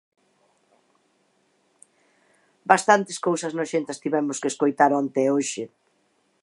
Bastantes cousas noxentas tivemos que escoitar onte e hoxe.